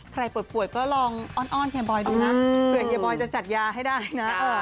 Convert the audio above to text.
ใครป่วยก็ลองอ้อนเฮียบอยดูนะเผื่อเฮียบอยจะจัดยาให้ได้นะ